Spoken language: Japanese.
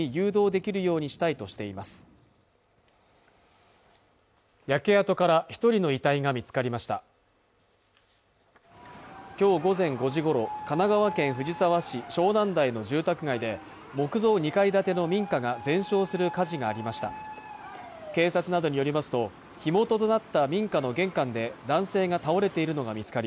きょう午前５時ごろ神奈川県藤沢市湘南台の住宅街で木造２階建ての民家が全焼する火事がありました警察などによりますと火元となった民家の玄関で男性が倒れているのが見つかり